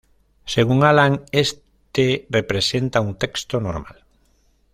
Según Aland este representa un "texto normal".